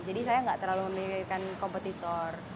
jadi saya tidak terlalu memilihkan kompetitor